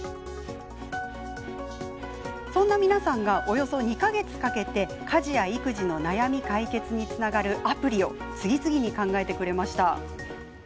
そんな皆さんがおよそ２か月かけて家事や育児の悩み解決につながるアプリを次々に考えてくれました。